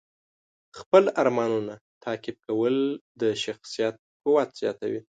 خپل ارمانونه تعقیب کول د شخصیت قوت زیاتوي.